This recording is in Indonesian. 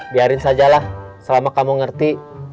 biarin sajalah selama kamu ngerti